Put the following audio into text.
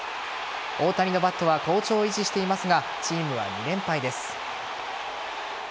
大谷のバットは好調を維持していますがチームは２連敗です。